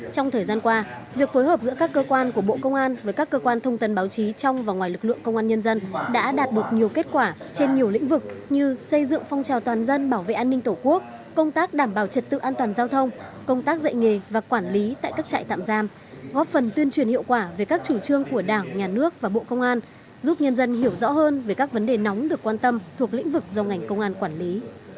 trong thời gian qua việc phối hợp giữa các cơ quan của bộ công an với các cơ quan thông tấn báo chí trong và ngoài lực lượng công an nhân dân đã đạt được nhiều kết quả trên nhiều lĩnh vực như xây dựng phong trào toàn dân bảo vệ an ninh tổ quốc công tác đảm bảo trật tự an toàn giao thông công tác dạy nghề và quản lý tại các trại tạm giam góp phần tuyên truyền hiệu quả về các chủ trương của đảng nhà nước và bộ công an giúp nhân dân hiểu rõ hơn về các vấn đề nóng được quan tâm thuộc lĩnh vực do ngành công an quản lý